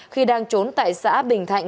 khi đang trốn tại xã bình thạnh